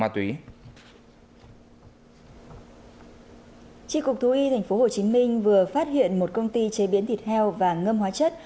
tri cục thú y tp hcm vừa phát hiện một công ty chế biến thịt heo và ngâm hóa chất